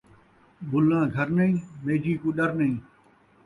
ملّاں گھر نئیں ، میجی کوں ݙر نئیں